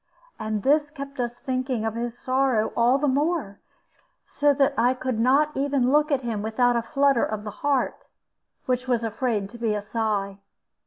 And this kept us thinking of his sorrow all the more, so that I could not even look at him without a flutter of the heart, which was afraid to be a sigh.